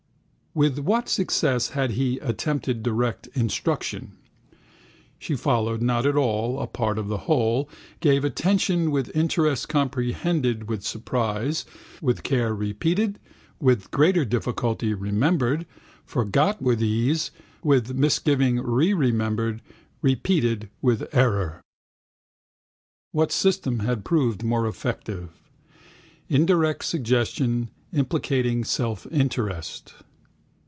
With what success had he attempted direct instruction? She followed not all, a part of the whole, gave attention with interest comprehended with surprise, with care repeated, with greater difficulty remembered, forgot with ease, with misgiving reremembered, rerepeated with error. What system had proved more effective? Indirect suggestion implicating selfinterest.